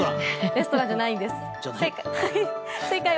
レストランじゃないんです。